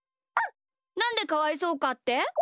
なんでかわいそうかって？